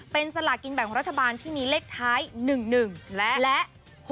เป็นสลากินแบ่งรัฐบาลที่มีเลขท้าย๑๑และ๖๖